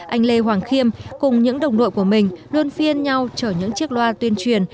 anh lê hoàng khiêm cùng những đồng đội của mình luôn phiên nhau chở những chiếc loa tuyên truyền